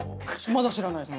まだ知らないです。